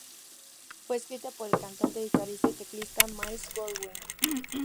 Fue escrita por el cantante, guitarrista y teclista Myles Goodwyn.